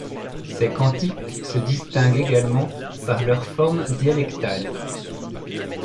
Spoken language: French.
Ces cantiques se distinguent également par leur forme dialectale.